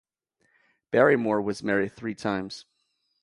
Barrymore was married three times.